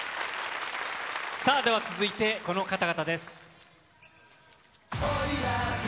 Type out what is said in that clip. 続いてこの方々です。